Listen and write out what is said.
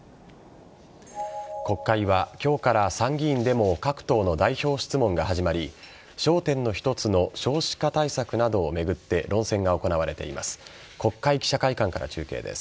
国会は今日から参議院でも各党の代表質問が始まり焦点の一つの少子化対策などを巡って論戦が行われています。